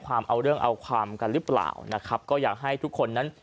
เอาเรื่องเอาความกันหรือเปล่านะครับก็อยากให้ทุกคนนั้น